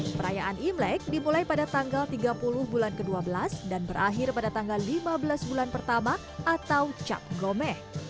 perayaan imlek dimulai pada tanggal tiga puluh bulan ke dua belas dan berakhir pada tanggal lima belas bulan pertama atau cap glome